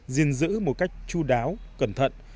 diên giữ một cách chú đáo cẩn thận